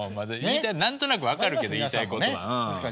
何となく分かるけど言いたいことは。